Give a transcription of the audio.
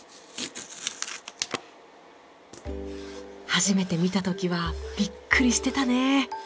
初めて見た時はビックリしてたね。